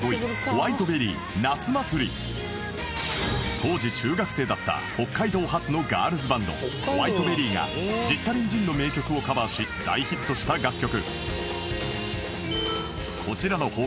当時中学生だった北海道発のガールズバンド Ｗｈｉｔｅｂｅｒｒｙ がジッタリン・ジンの名曲をカバーし大ヒットした楽曲